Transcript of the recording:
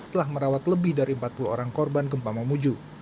telah merawat lebih dari empat puluh orang korban gempa memuju